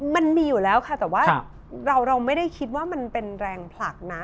มันมีอยู่แล้วค่ะแต่ว่าเราไม่ได้คิดว่ามันเป็นแรงผลักนะ